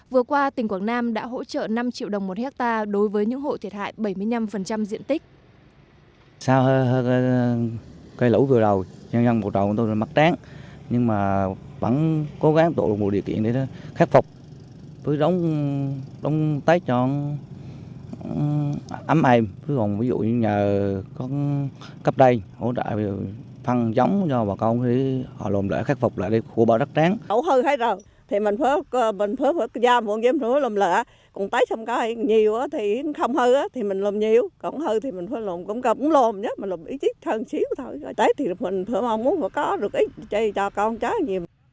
vừa qua tỉnh quảng nam đã hỗ trợ năm triệu đồng một hectare đối với những hộ thiệt hại bảy mươi năm diện tích